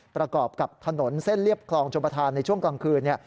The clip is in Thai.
ประกอบกับถนนเส้นเรียบคลองชมประธานในช่วงกลางคืน